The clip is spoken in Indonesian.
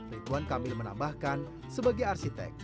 ridwan kamil menambahkan sebagai arsitek